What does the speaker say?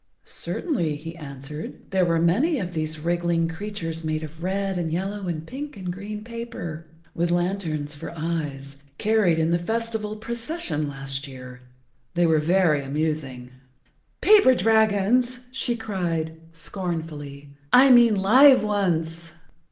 "Certainly," he answered. "There were many of these wriggling creatures made of red and yellow and pink and green paper, with lanterns for eyes, carried in the festival procession last year. They were very amusing." "Paper dragons," she cried scornfully. "I mean live ones."